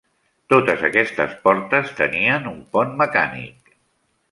Totes aquestes portes tenien un pont mecànic.